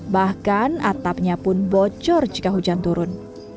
bahkan atapnya pun bocor jika hujan turun